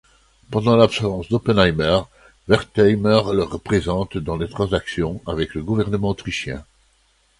Pendant l'absence d'Oppenheimer, Wertheimer le représente dans les transactions avec le gouvernement autrichien.